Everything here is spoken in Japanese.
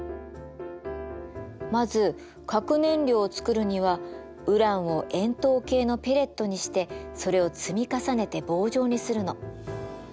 まず核燃料を作るにはウランを円筒形のペレットにしてそれを積み重ねて棒状にするの。